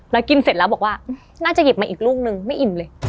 แล้วกินเสร็จแล้วบอกว่าน่าจะหยิบมาอีกลูกนึงไม่อิ่มเลย